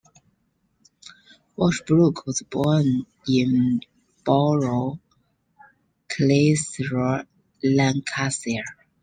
Washbrook was born in Barrow, Clitheroe, Lancashire.